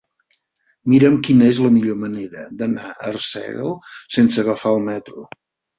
Mira'm quina és la millor manera d'anar a Arsèguel sense agafar el metro.